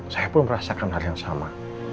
saya pun merasakan hal yang sama